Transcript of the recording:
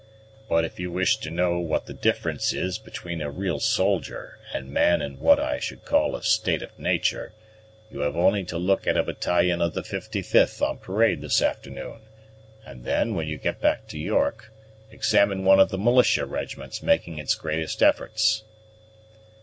But if you wish to know what the difference is between a real soldier and man in what I should call a state of nature, you have only to look at a battalion of the 55th on parade this afternoon, and then, when you get back to York, examine one of the militia regiments making its greatest efforts."